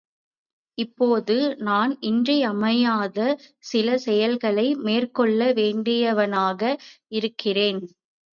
இப்போது நான் இன்றியமையாத சில செயல்களை மேற்கொள்ள வேண்டியவனாக இருக்கிறேன்.